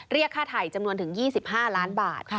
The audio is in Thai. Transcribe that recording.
เรียกค่าไถ่จำนวนถึง๒๕ล้านบาท